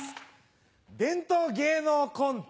伝統芸能コント